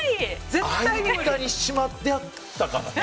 絶対にしまってあったからね。